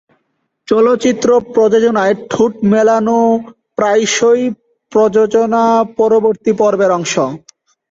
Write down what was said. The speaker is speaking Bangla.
চলচ্চিত্র প্রযোজনায়, ঠোঁট-মেলানো প্রায়শই প্রযোজনা-পরবর্তী পর্বের অংশ।